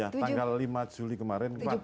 tanggal lima juli kemarin